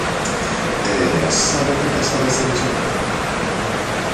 E ¿sabe que pasaba ese mesmo día?